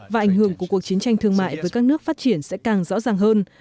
và ảnh hưởng của cuộc chiến tranh thương mại với các nước phát triển sẽ càng rõ ràng hơn